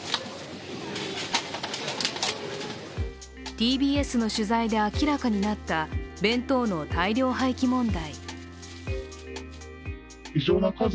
ＴＢＳの取材で明らかになった弁当の大量廃棄問題。